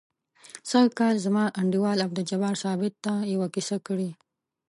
سږ کال یې زما انډیوال عبدالجبار ثابت ته یوه کیسه کړې.